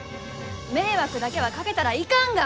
迷惑だけはかけたらいかんが！